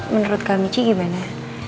menurut kak michi gimana